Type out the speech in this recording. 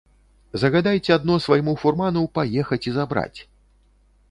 Загадайце адно свайму фурману паехаць і забраць.